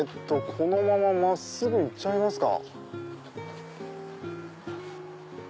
このまま真っすぐ行っちゃいますか。